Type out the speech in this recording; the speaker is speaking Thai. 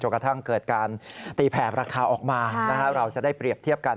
กระทั่งเกิดการตีแผ่ราคาออกมาเราจะได้เปรียบเทียบกัน